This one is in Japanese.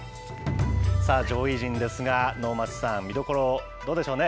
さあ、上位陣ですが、能町さん、見どころ、どうでしょうね？